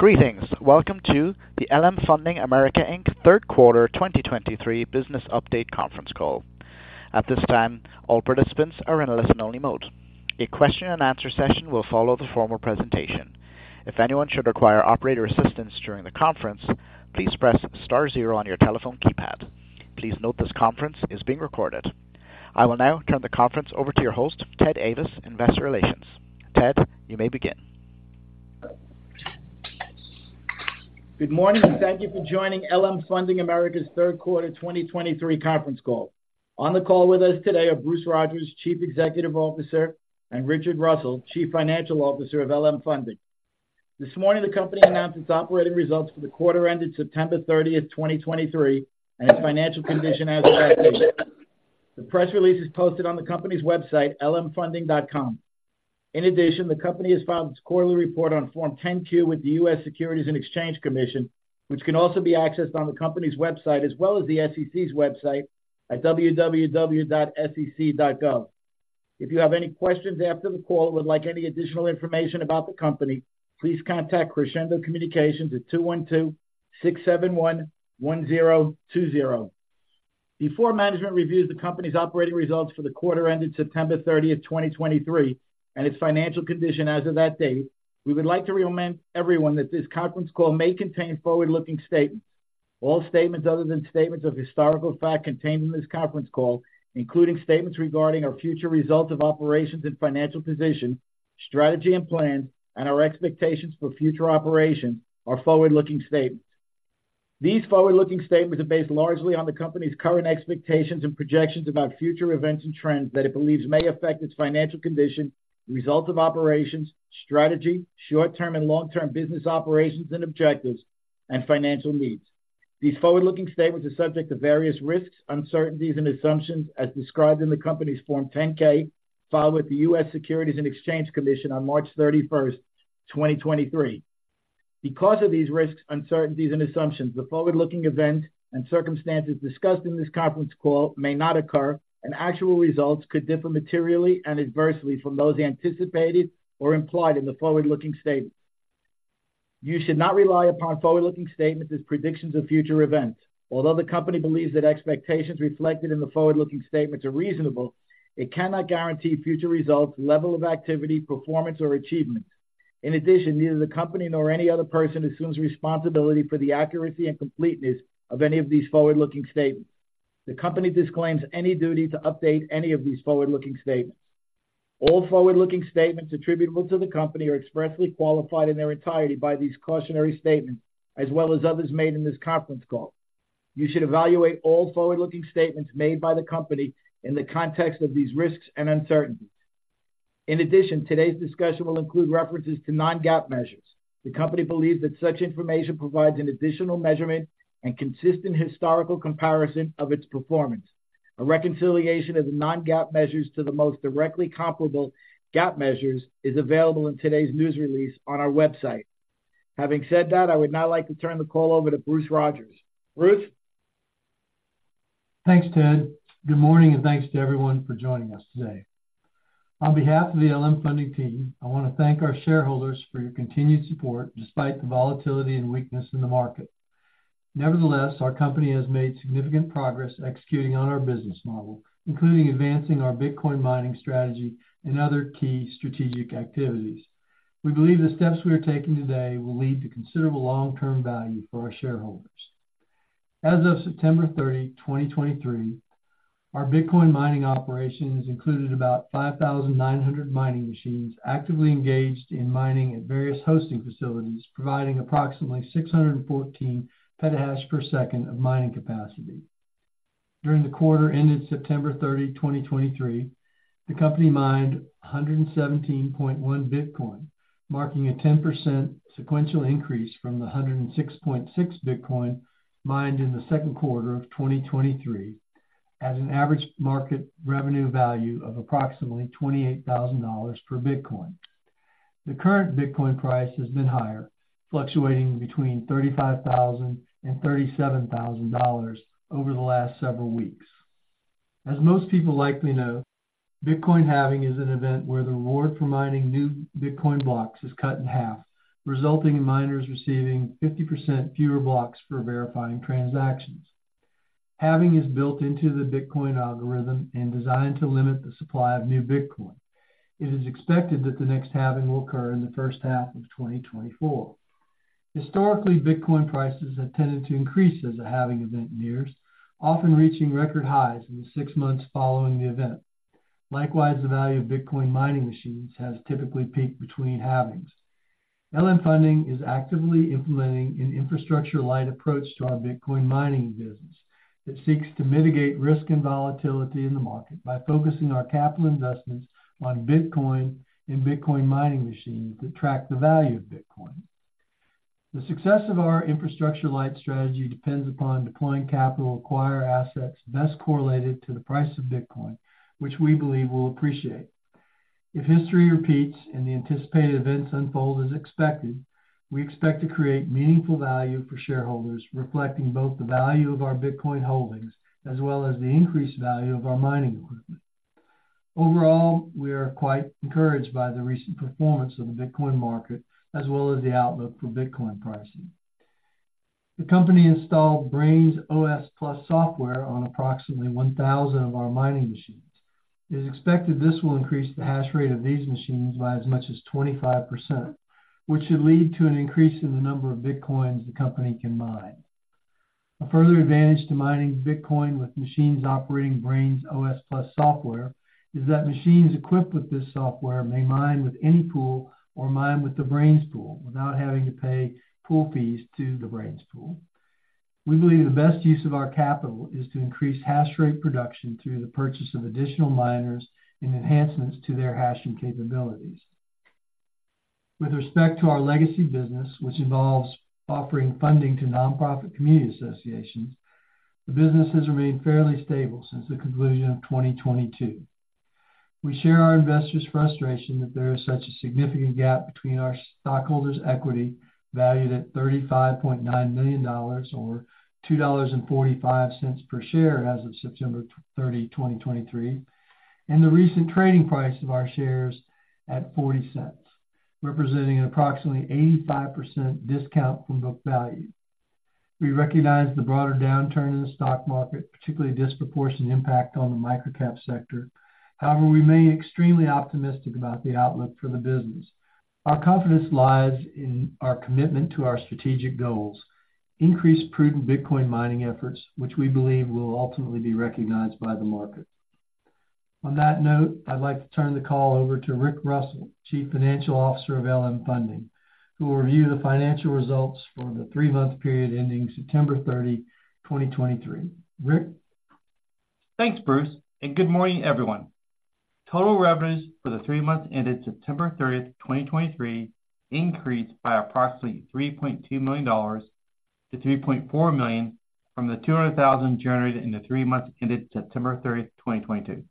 Greetings! Welcome to the LM Funding America, Inc. Third Quarter 2023 Business Update Conference Call. At this time, all participants are in a listen-only mode. A question-and-answer session will follow the formal presentation. If anyone should require operator assistance during the conference, please press star zero on your telephone keypad. Please note this conference is being recorded. I will now turn the conference over to your host, Ted Ayvas, Investor Relations. Ted, you may begin. Good morning, and thank you for joining LM Funding America's Third Quarter 2023 Conference Call. On the call with us today are Bruce Rodgers, Chief Executive Officer, and Richard Russell, Chief Financial Officer of LM Funding. This morning, the company announced its operating results for the quarter ended September 30, 2023, and its financial condition as of that day. The press release is posted on the company's website, lmfunding.com. In addition, the company has filed its quarterly report on Form 10-Q with the U.S. Securities and Exchange Commission, which can also be accessed on the company's website, as well as the SEC's website at www.sec.gov. If you have any questions after the call or would like any additional information about the company, please contact Crescendo Communications at 212-671-1020. Before management reviews the company's operating results for the quarter ended September 30, 2023, and its financial condition as of that date, we would like to remind everyone that this conference call may contain forward-looking statements. All statements other than statements of historical fact contained in this conference call, including statements regarding our future results of operations and financial position, strategy and plans, and our expectations for future operations, are forward-looking statements. These forward-looking statements are based largely on the company's current expectations and projections about future events and trends that it believes may affect its financial condition, results of operations, strategy, short-term and long-term business operations and objectives, and financial needs. These forward-looking statements are subject to various risks, uncertainties, and assumptions as described in the company's Form 10-K, filed with the U.S. Securities and Exchange Commission on March 31, 2023. Because of these risks, uncertainties, and assumptions, the forward-looking events and circumstances discussed in this conference call may not occur, and actual results could differ materially and adversely from those anticipated or implied in the forward-looking statements. You should not rely upon forward-looking statements as predictions of future events. Although the company believes that expectations reflected in the forward-looking statements are reasonable, it cannot guarantee future results, level of activity, performance, or achievement. In addition, neither the company nor any other person assumes responsibility for the accuracy and completeness of any of these forward-looking statements. The company disclaims any duty to update any of these forward-looking statements. All forward-looking statements attributable to the company are expressly qualified in their entirety by these cautionary statements, as well as others made in this conference call. You should evaluate all forward-looking statements made by the company in the context of these risks and uncertainties. In addition, today's discussion will include references to non-GAAP measures. The company believes that such information provides an additional measurement and consistent historical comparison of its performance. A reconciliation of the non-GAAP measures to the most directly comparable GAAP measures is available in today's news release on our website. Having said that, I would now like to turn the call over to Bruce Rogers. Bruce? Thanks, Ted. Good morning, and thanks to everyone for joining us today. On behalf of the LM Funding team, I want to thank our shareholders for your continued support despite the volatility and weakness in the market. Nevertheless, our company has made significant progress executing on our business model, including advancing our Bitcoin mining strategy and other key strategic activities. We believe the steps we are taking today will lead to considerable long-term value for our shareholders. As of September 30, 2023, our Bitcoin mining operation has included about 5,900 mining machines actively engaged in mining at various hosting facilities, providing approximately 614 PH/s of mining capacity. During the quarter ended September 30, 2023, the company mined 117.1 Bitcoin, marking a 10% sequential increase from the 106.6 Bitcoin mined in the second quarter of 2023, at an average market revenue value of approximately $28,000 per Bitcoin. The current Bitcoin price has been higher, fluctuating between $35,000-$37,000 over the last several weeks. As most people likely know, Bitcoin Halving is an event where the reward for mining new Bitcoin blocks is cut in half, resulting in miners receiving 50% fewer blocks for verifying transactions. Halving is built into the Bitcoin algorithm and designed to limit the supply of new Bitcoin. It is expected that the next halving will occur in the first half of 2024. Historically, Bitcoin prices have tended to increase as a halving event nears, often reaching record highs in the six months following the event. Likewise, the value of Bitcoin mining machines has typically peaked between halvings. LM Funding is actively implementing an infrastructure-light approach to our Bitcoin mining business that seeks to mitigate risk and volatility in the market by focusing our capital investments on Bitcoin and Bitcoin mining machines that track the value of Bitcoin. The success of our infrastructure-light strategy depends upon deploying capital to acquire assets best correlated to the price of Bitcoin, which we believe will appreciate. If history repeats and the anticipated events unfold as expected, we expect to create meaningful value for shareholders, reflecting both the value of our Bitcoin holdings as well as the increased value of our mining equipment. Overall, we are quite encouraged by the recent performance of the Bitcoin market, as well as the outlook for Bitcoin pricing. The company installed Braiins OS+ software on approximately 1,000 of our mining machines. It is expected this will increase the hash rate of these machines by as much as 25%, which should lead to an increase in the number of Bitcoins the company can mine. A further advantage to mining Bitcoin with machines operating Braiins OS+ software is that machines equipped with this software may mine with any pool or mine with the Braiins Pool without having to pay pool fees to the Braiins Pool. We believe the best use of our capital is to increase hash rate production through the purchase of additional miners and enhancements to their hashing capabilities. With respect to our legacy business, which involves offering funding to nonprofit community associations, the business has remained fairly stable since the conclusion of 2022. We share our investors' frustration that there is such a significant gap between our stockholders' equity, valued at $35.9 million or $2.45 per share as of September 30, 2023, and the recent trading price of our shares at $0.40, representing an approximately 85% discount from book value. We recognize the broader downturn in the stock market, particularly disproportionate impact on the microcap sector. However, we remain extremely optimistic about the outlook for the business. Our confidence lies in our commitment to our strategic goals, increase prudent Bitcoin mining efforts, which we believe will ultimately be recognized by the market. On that note, I'd like to turn the call over to Rick Russell, Chief Financial Officer of LM Funding, who will review the financial results for the three-month period ending September 30, 2023. Rick? Thanks, Bruce, and good morning, everyone. Total revenues for the three months ended September 30, 2023, increased by approximately $3.2 million to $3.4 million from the $200,000 generated in the three months ended September 30, 2022.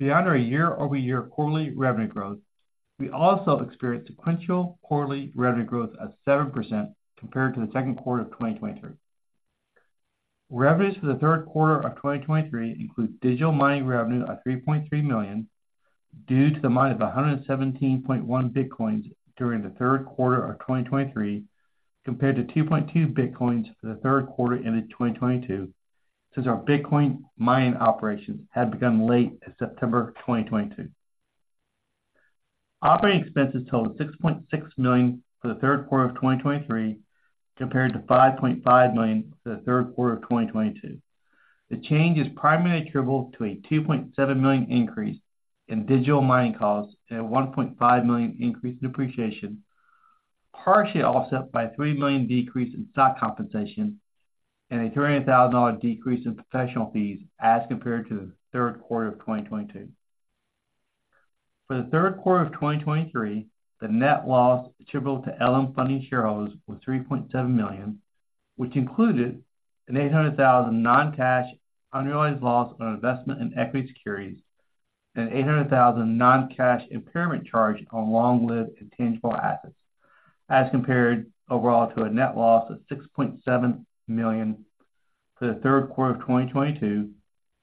Beyond our year-over-year quarterly revenue growth, we also experienced sequential quarterly revenue growth of 7% compared to the second quarter of 2022. Revenues for the third quarter of 2023 include digital mining revenue of $3.3 million due to the mine of 117.1 Bitcoins during the third quarter of 2023, compared to 2.2 Bitcoins for the third quarter ended 2022, since our Bitcoin mining operations had begun late September 2022. Operating expenses totaled $6.6 million for the third quarter of 2023, compared to $5.5 million for the third quarter of 2022. The change is primarily attributable to a $2.7 million increase in digital mining costs and a $1.5 million increase in depreciation, partially offset by a $3 million decrease in stock compensation and a $300,000 decrease in professional fees as compared to the third quarter of 2022. For the third quarter of 2023, the net loss attributable to LM Funding shareholders was $3.7 million, which included an $800,000 non-cash unrealized loss on investment in equity securities and $800,000 non-cash impairment charge on long-lived intangible assets, as compared overall to a net loss of $6.7 million for the third quarter of 2022,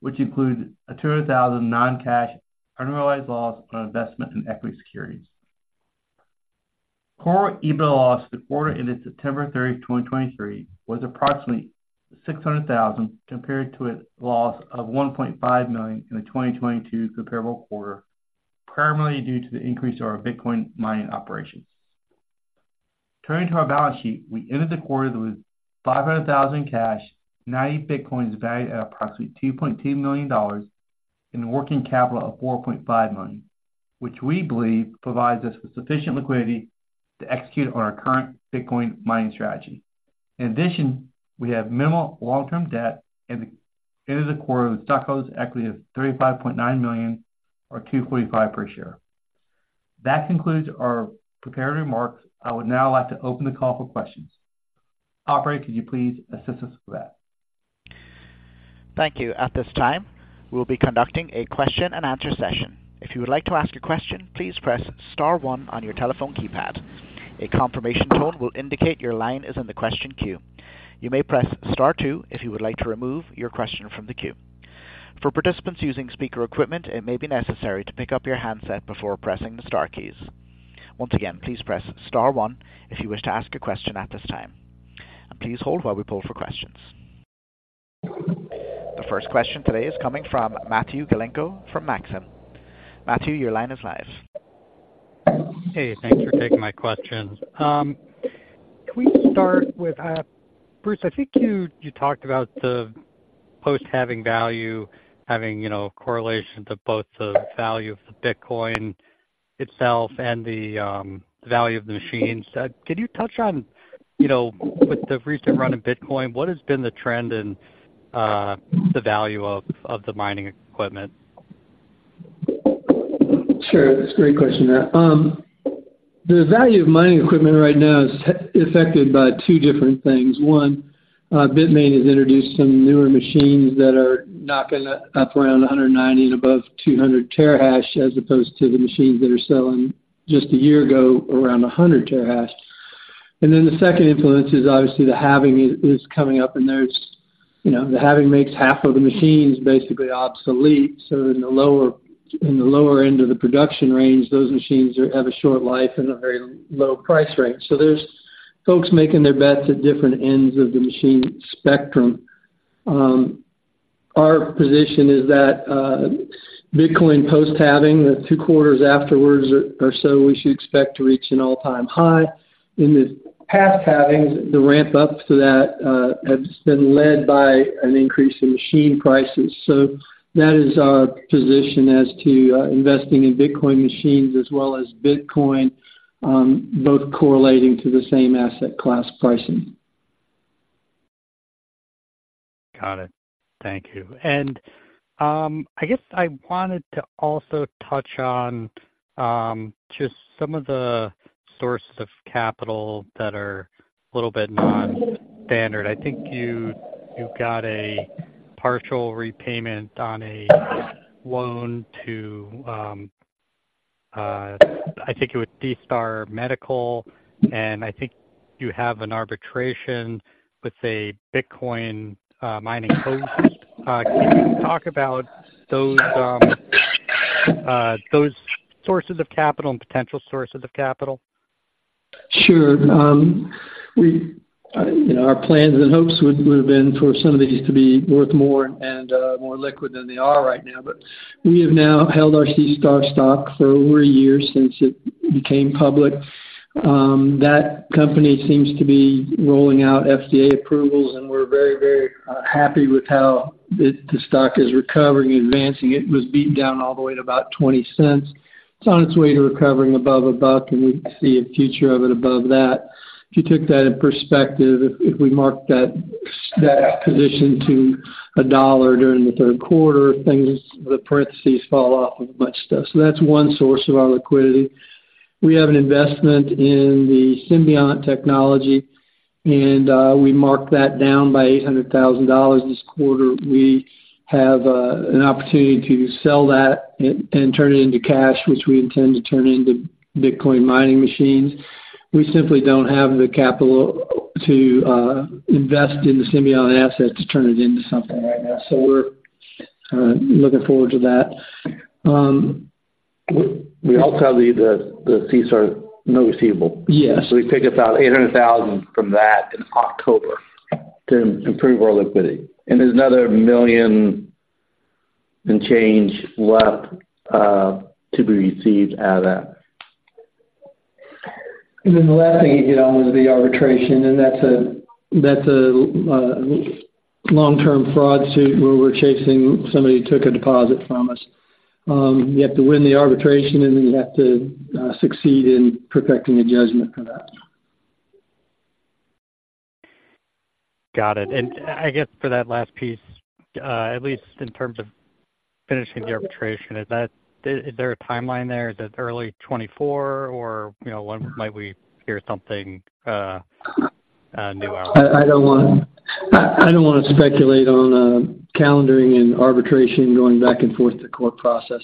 which includes a $200,000 non-cash unrealized loss on investment in equity securities. Core EBITDA loss for the quarter ended September 30, 2023, was approximately $600,000, compared to a loss of $1.5 million in the 2022 comparable quarter, primarily due to the increase of our Bitcoin mining operations. Turning to our balance sheet, we ended the quarter with $500,000 in cash, 90 Bitcoins valued at approximately $2.2 million, and a working capital of $4.5 million, which we believe provides us with sufficient liquidity to execute on our current Bitcoin mining strategy. In addition, we have minimal long-term debt at the end of the quarter, with stockholders' equity of $35.9 million, or $2.45 per share. That concludes our prepared remarks. I would now like to open the call for questions. Operator, could you please assist us with that? Thank you. At this time, we'll be conducting a question-and-answer session. If you would like to ask a question, please press star one on your telephone keypad. A confirmation tone will indicate your line is in the question queue. You may press star two if you would like to remove your question from the queue. For participants using speaker equipment, it may be necessary to pick up your handset before pressing the star keys. Once again, please press star one if you wish to ask a question at this time. And please hold while we pull for questions. The first question today is coming from Matthew Galinko from Maxim. Matthew, your line is live. Hey, thanks for taking my questions. Can we start with Bruce? I think you talked about the post-halving value having correlation to both the value of the Bitcoin itself and the value of the machines. Can you touch on with the recent run of Bitcoin, what has been the trend in the value of the mining equipment? Sure. That's a great question. The value of mining equipment right now is affected by two different things. One, Bitmain has introduced some newer machines that are knocking up around 190 and above 200 TH, as opposed to the machines that are selling just a year ago, around 100 TH. And then the second influence is obviously the halving is coming up, and there's the halving makes half of the machines basically obsolete. So in the lower end of the production range, those machines have a short life and a very low price range. So there's folks making their bets at different ends of the machine spectrum. Our position is that Bitcoin post-halving, the two quarters afterwards or so, we should expect to reach an all-time high. In the past halvings, the ramp-up to that has been led by an increase in machine prices. So that is our position as to investing in Bitcoin machines as well as Bitcoin, both correlating to the same asset class pricing. Got it. Thank you. And I guess I wanted to also touch on just some of the sources of capital that are a little bit non-standard. I think you, you got a partial repayment on a loan to I think it was SeaStar Medical, and I think you have an arbitration with a Bitcoin mining host. Can you talk about those those sources of capital and potential sources of capital? Sure. We, our plans and hopes would have been for some of these to be worth more and more liquid than they are right now. But we have now held our SeaStar stock for over a year since it became public. That company seems to be rolling out FDA approvals, and we're very, very happy with how the stock is recovering, advancing. It was beat down all the way to about $0.20. It's on its way to recovering above $1, and we see a future of it above that. If you took that in perspective, if we marked that position to $1 during the third quarter, things, the parentheses fall off of much stuff. So that's one source of our liquidity. We have an investment in the Symbiont technology, and we marked that down by $800,000 this quarter. We have an opportunity to sell that and turn it into cash, which we intend to turn into Bitcoin mining machines. We simply don't have the capital to invest in the Symbiont asset to turn it into something right now, so we're looking forward to that. We also have the SeaStar note receivable. Yes. So we picked up about $800,000 from that in October to improve our liquidity. There's another $1 million and change left to be received out of that. And then the last thing you hit on was the arbitration, and that's a long-term fraud suit where we're chasing somebody who took a deposit from us. We have to win the arbitration, and then we have to succeed in perfecting a judgment for that. Got it. And I guess for that last piece, at least in terms of finishing the arbitration, is there a timeline there? Is it early 2024, or when might we hear something, new on it? I don't wanna speculate on calendaring and arbitration going back and forth to court processes.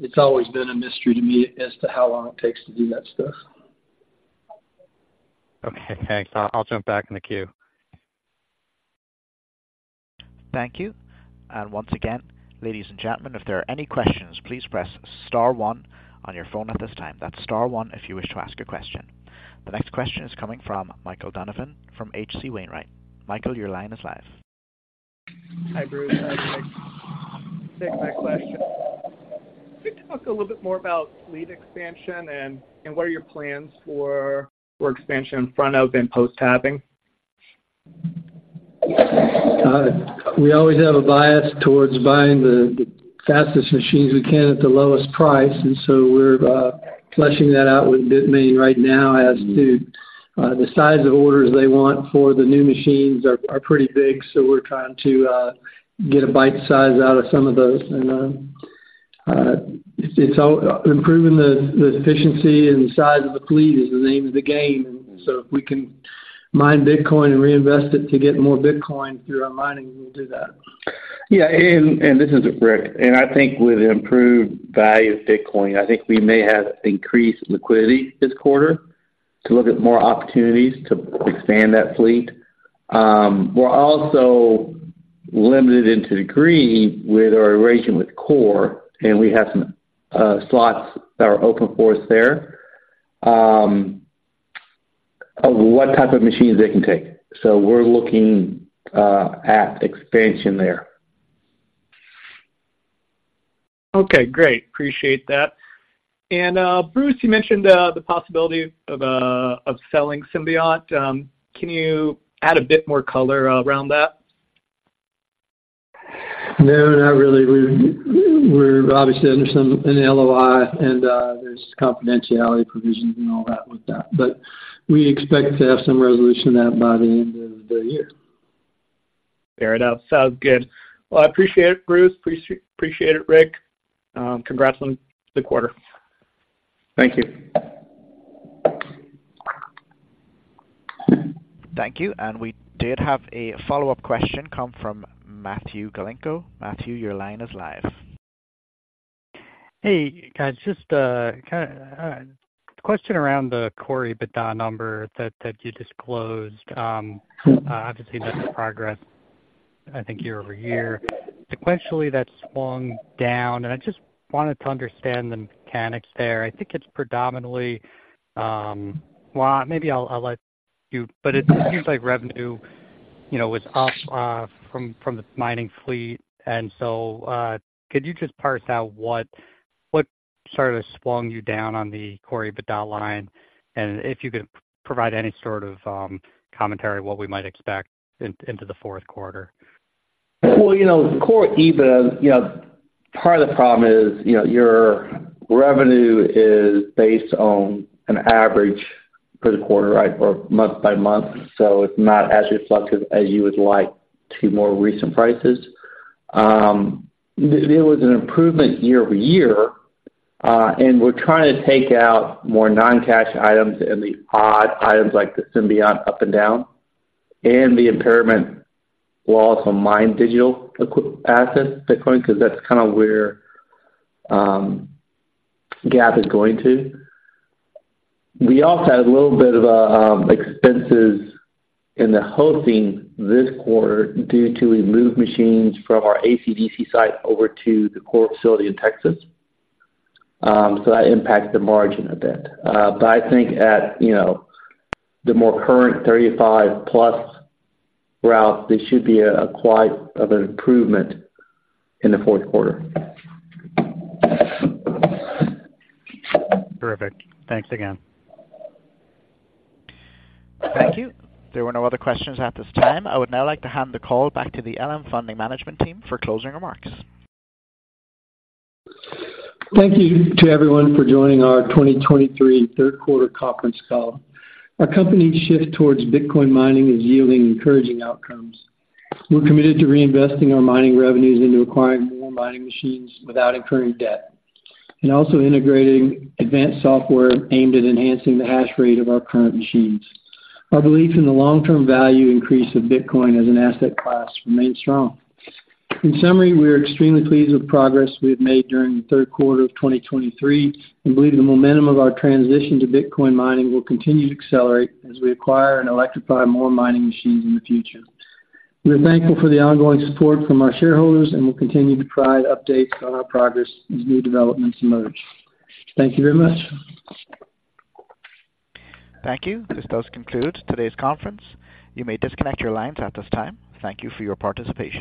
It's always been a mystery to me as to how long it takes to do that stuff. Okay, thanks. I'll jump back in the queue. Thank you. And once again, ladies and gentlemen, if there are any questions, please press star one on your phone at this time. That's star one if you wish to ask a question. The next question is coming from Michael Donovan from H.C. Wainwright. Michael, your line is live. Hi, Bruce. Thanks. Thanks for that question. Could you talk a little bit more about fleet expansion and what are your plans for expansion pre- and post-Halving? We always have a bias towards buying the fastest machines we can at the lowest price, and so we're fleshing that out with Bitmain right now as to the size of orders they want for the new machines are pretty big, so we're trying to get a bite size out of some of those. It's all improving the efficiency and the size of the fleet is the name of the game. So if we can mine Bitcoin and reinvest it to get more Bitcoin through our mining, we'll do that. This is Rick. I think with improved value of Bitcoin, I think we may have increased liquidity this quarter to look at more opportunities to expand that fleet. We're also limited to a degree with our arrangement with Core, and we have some slots that are open for us there of what type of machines they can take. We're looking at expansion there. Okay, great. Appreciate that. And, Bruce, you mentioned the possibility of selling Symbiont. Can you add a bit more color around that? No, not really. We're obviously under an LOI, and there's confidentiality provisions and all that with that, but we expect to have some resolution to that by the end of the year. Fair enough. Sounds good. Well, I appreciate it, Bruce. Appreciate it, Rick. Congrats on the quarter. Thank you. Thank you. We did have a follow-up question come from Matthew Galinko. Matthew, your line is live. Hey, guys, just kind of a question around the core EBITDA number that you disclosed. Obviously, that's a progress year-over-year. Sequentially, that swung down, and I just wanted to understand the mechanics there. I think it's predominantly. Well, maybe I'll let you, but it seems like revenue was up from the mining fleet. And so, could you just parse out what sort of swung you down on the Core EBITDA line? And if you could provide any sort of commentary, what we might expect into the fourth quarter. Well, core EBITDA part of the problem is your revenue is based on an average for the quarter, right, or month by month, so it's not as reflective as you would like to more recent prices. There was an improvement year-over-year, and we're trying to take out more non-cash items and the odd items like the Symbiont up and down, and the impairment of our mined digital equipment assets, Bitcoin, because that's kind of where GAAP is going to. We also had a little bit of expenses in the hosting this quarter due to we moved machines from our ACDC site over to the Core facility in Texas. So that impacted the margin a bit. But I think at the more current 35+ routes, this should be quite an improvement in the fourth quarter. Perfect. Thanks again. Thank you. There were no other questions at this time. I would now like to hand the call back to the LM Funding management team for closing remarks. Thank you to everyone for joining our 2023 Third Quarter Conference Call. Our company's shift towards Bitcoin mining is yielding encouraging outcomes. We're committed to reinvesting our mining revenues into acquiring more mining machines without incurring debt, and also integrating advanced software aimed at enhancing the hash rate of our current machines. Our belief in the long-term value increase of Bitcoin as an asset class remains strong. In summary, we are extremely pleased with the progress we have made during the third quarter of 2023 and believe the momentum of our transition to Bitcoin mining will continue to accelerate as we acquire and electrify more mining machines in the future. We are thankful for the ongoing support from our shareholders, and we'll continue to provide updates on our progress as new developments emerge. Thank you very much. Thank you. This does conclude today's conference. You may disconnect your lines at this time. Thank you for your participation.